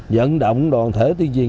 dẫn động đoàn thể tiên triền